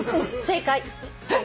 正解！？